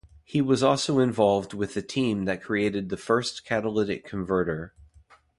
He was also involved with the team that created the first catalytic converter.